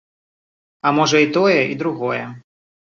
А можа, і тое, і другое.